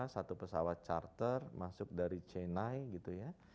satu pesawat charter masuk dari chinai gitu ya